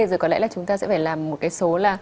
rồi có lẽ là chúng ta sẽ phải làm một số